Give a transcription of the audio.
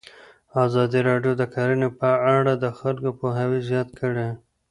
ازادي راډیو د کرهنه په اړه د خلکو پوهاوی زیات کړی.